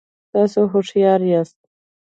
تاسو هوښیار یاست